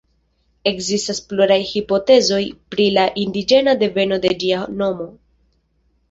Ekzistas pluraj hipotezoj pri la indiĝena deveno de ĝia nomo.